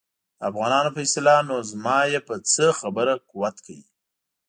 د افغانانو په اصطلاح نو زما یې په څه خبره قوت کوي.